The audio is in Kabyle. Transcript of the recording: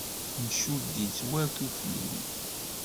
Ncudd-itt war tuflin.